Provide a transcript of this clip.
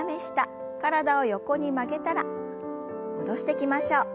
体を横に曲げたら戻してきましょう。